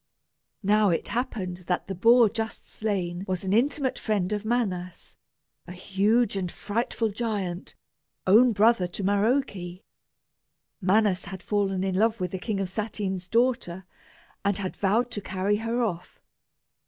Now it happened that the boar just slain was an intimate friend of Manas, a huge and frightful giant, own brother to Maroke. Manas had fallen in love with the King of Satyn's daughter, and had vowed to carry her off.